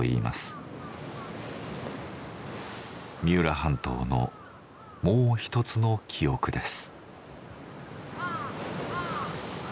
三浦半島のもう一つの記憶です。